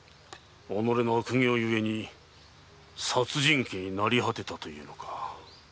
己の悪行ゆえに殺人鬼に成り果てたというのか。